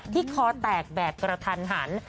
คอแตกแบบกระทันหัน